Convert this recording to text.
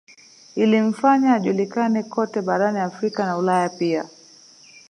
Ilimfanya ajulikane kote barani Afrika na Ulaya pia